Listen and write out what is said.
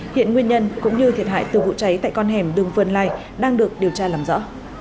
hiện nguyên nhân cũng như thiệt hại từ vụ cháy tại con hẻm đường vân lai đang được điều tra làm rõ